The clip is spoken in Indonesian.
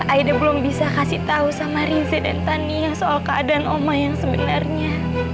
aida belum bisa kasih tahu sama riza dan tania soal keadaan oma yang sebenarnya